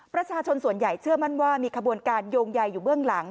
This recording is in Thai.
ประชาชนส่วนใหญ่เชื่อมั่นว่ามีขบวนการโยงใยอยู่เบื้องหลัง